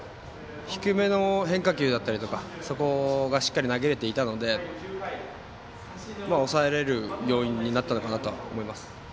低めの変化球だったりとかそこがしっかり投げれていたので抑えられる要因になったのかなと思います。